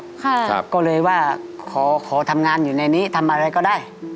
ก็เลยว่าขอขอทำงานอยู่ในนี้ทำอะไรก็ได้